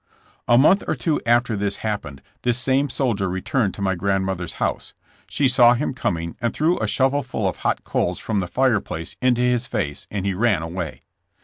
A month or two after this happened this same soldier returned to my grandmother's house. She saw him coming and threw a shovel full of hot coals from the fireplace into his face and he ran away.